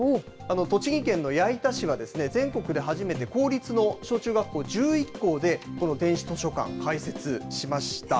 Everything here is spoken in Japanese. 栃木県の矢板市は、全国で初めて、公立の小中学校１１校で、この電子図書館開設しました。